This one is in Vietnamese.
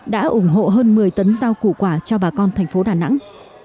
đã ủng hộ hơn một mươi tấn rau củ quả cho bà con thành phố đà nẵng